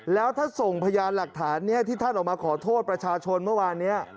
แล้วถ้าส่งพยานหลักฐานนี้ที่ท่านออกมาขอโทษประชาชนเมื่อวานนี้